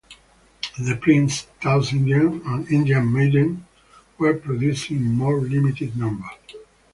The prints "Taos Indian" and "Indian Maiden" were produced in a more limited number.